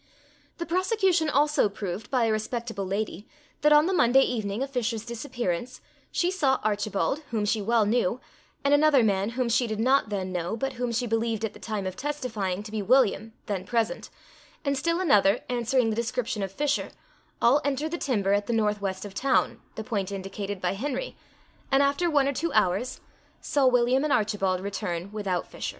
The prosecution also proved, by a respectable lady, that on the Monday evening of Fisher's disappearance, she saw Archibald, whom she well knew, and another man whom she did not then know, but whom she believed at the time of testifying to be William, (then present,) and still another, answering the description of Fisher, all enter the timber at the northwest of town, (the point indicated by Henry,) and after one or two hours, saw William and Archibald return without Fisher.